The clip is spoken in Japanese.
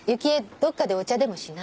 どっかでお茶でもしない？